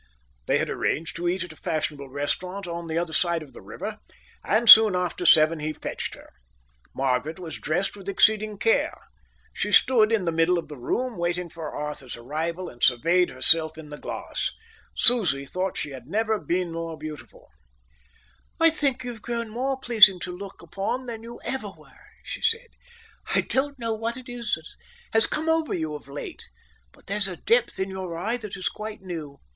They had arranged to eat at a fashionable restaurant on the other side of the river, and soon after seven he fetched her. Margaret was dressed with exceeding care. She stood in the middle of the room, waiting for Arthur's arrival, and surveyed herself in the glass. Susie thought she had never been more beautiful. "I think you've grown more pleasing to look upon than you ever were," she said. "I don't know what it is that has come over you of late, but there's a depth in your eyes that is quite new.